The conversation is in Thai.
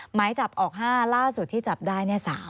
หมายจับออก๕ล่าสุดที่จับได้๓